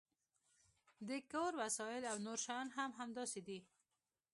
د کور وسایل او نور شیان هم همداسې دي